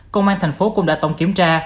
công an thành phố cũng đã tổng kiểm tra